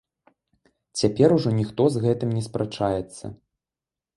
Цяпер ужо ніхто з гэтым не спрачаецца.